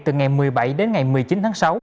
từ ngày một mươi bảy đến ngày một mươi chín tháng sáu